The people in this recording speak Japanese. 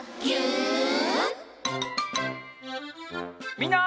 みんな。